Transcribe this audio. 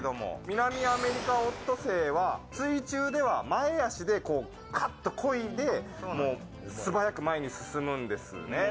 ミナミアメリカオットセイは水中で前足でかっとこいで素早く前に進むんですよね。